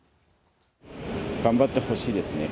頑張ってほしいですね。